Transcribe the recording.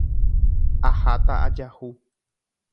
Aháta ajahu.